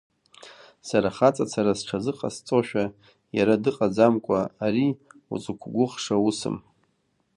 Сара хаҵацара сҽазыҟасҵошәа, иара дыҟаӡамкәа, ари узықәгәыӷша усым.